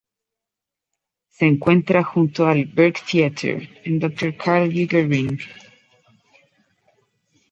Se encuentra junto al Burgtheater, en Dr.-Karl-Lueger-Ring.